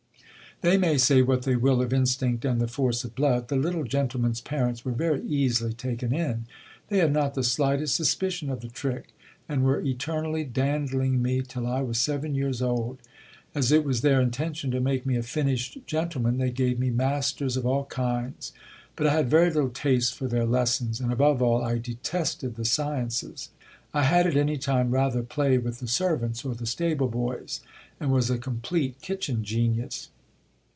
They may say what they will of instinct and the force of blood ! The little gentleman's parents were very easily taken in. They had not the slightest suspicion of the trick ; and were eternally dandling me till I was seven years old. As it was their intention to make me a finished gentleman, they gave me masters of all kinds ; but I had very little taste for their lessons, and above all, I detested the sciences. I had at any time rather play with the servants or the stable boys, and was a complete kitchen genius.